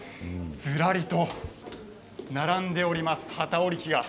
ずらりと並んでおります、機織り機が。